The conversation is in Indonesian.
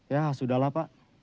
ya sudah lah pak